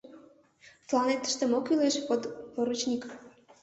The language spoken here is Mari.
Тыланет тыште мо кӱлеш, подпоручик?